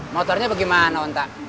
motornya bagaimana onta